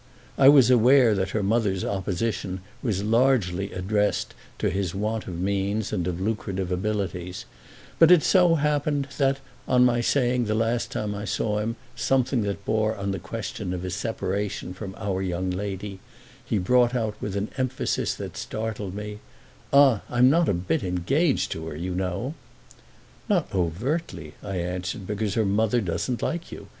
I was aware that her mother's opposition was largely addressed to his want of means and of lucrative abilities, but it so happened that, on my saying the last time I saw him something that bore on the question of his separation from our young lady, he brought out with an emphasis that startled me: "Ah I'm not a bit engaged to her, you know!" "Not overtly," I answered, "because her mother doesn't like you.